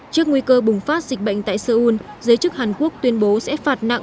trước nguy cơ bùng phát dịch bệnh tại seoul giới chức hàn quốc tuyên bố sẽ phạt nặng